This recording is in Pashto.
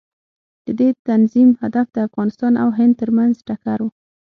د دې تنظیم هدف د افغانستان او هند ترمنځ ټکر و.